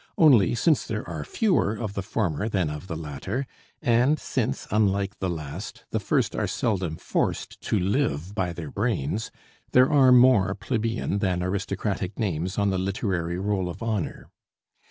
Only since there are fewer of the former than of the latter, and since, unlike the last, the first are seldom forced to live by their brains, there are more plebeian than aristocratic names on the literary roll of honor.